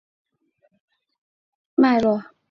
成就现今社会局势的历史脉络